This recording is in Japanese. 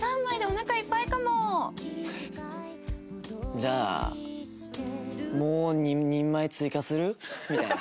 じゃあもう２人前追加する？みたいな。